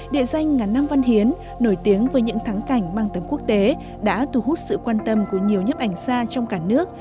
địa danh ngắn nam văn hiến nổi tiếng với những thắng cảnh bằng tấm quốc tế đã thu hút sự quan tâm của nhiều nhiếp ảnh xa trong cả nước